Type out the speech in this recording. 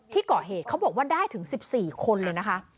ที่ก่อเหตุเขาบอกว่าได้ถึง๑๔คนเลยนะคะ